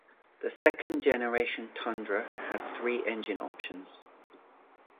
The second generation Tundra had three engine options.